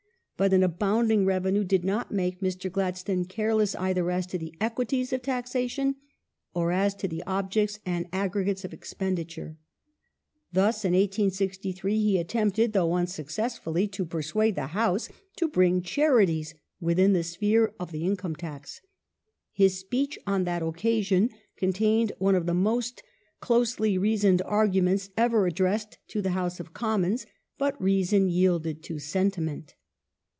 But an abounding revenue did not make Mr. Gladstone careless either as to the equities of taxation, or as to the objects and aggregates of ex penditure. Thus in 1863 he attempted, though unsuccessfully, to persuade the House to bring charities within the sphere of the income tax. His speech on that occasion contained one of the most closely reasoned arguments ever addressed to the House of The Post Commons, but reason yielded to sentiment.